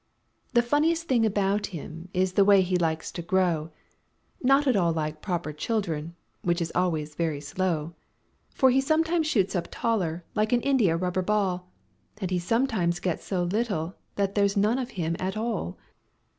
The funniest thing about him is the way he likes to grow— Not at all like proper children, which is always very slow; For he sometimes shoots up taller like an india rubber ball, And he sometimes gets so little that there's none of him at all.